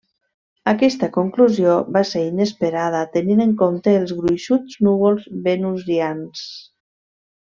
Aquesta conclusió va ser inesperada tenint en compte els gruixuts núvols venusians.